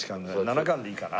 ７貫でいいかな。